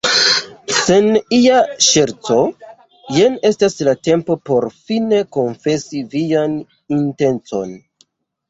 Sen ia ŝerco, jen estas la tempo por fine konfesi vian intencon!